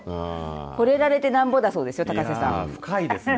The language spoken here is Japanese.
ほれられてなんぼだそうですよ深いですね。